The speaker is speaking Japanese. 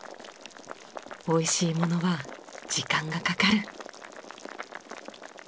おいしいものは時間がかかる。